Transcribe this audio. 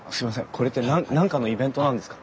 これって何かのイベントなんですか？